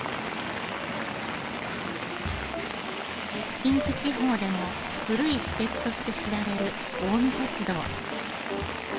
近畿地方でも古い私鉄として知られる近江鉄道。